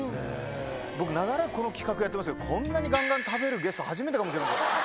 僕、長らくこの企画やってますけど、こんなにがんがん食べるゲスト、初めてかもしれない。